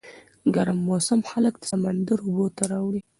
ګرم موسم خلک د سمندر اوبو ته راوړي.